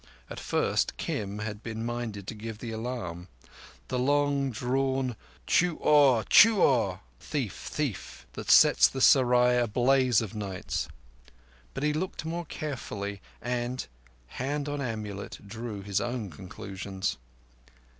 At first Kim had been minded to give the alarm—the long drawn cho or—choor! (thief! thief!) that sets the serai ablaze of nights; but he looked more carefully, and, hand on amulet, drew his own conclusions.